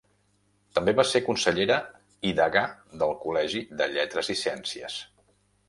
També va ser consellera i degà del Col·legi de Lletres i Ciències.